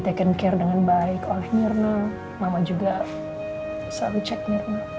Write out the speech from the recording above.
taken care dengan baik oleh mirna mama juga selalu cek mirna